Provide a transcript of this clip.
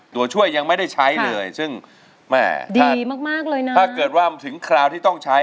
ตัวช่วยยังไม่ได้ใช้เลยซึ่งแม่ดีมากเลยนะถ้าเกิดว่ามันถึงคราวที่ต้องใช้